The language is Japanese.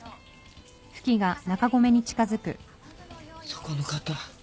そこの方